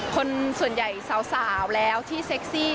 คนส่วนใหญ่สาวแล้วที่เซ็กซี่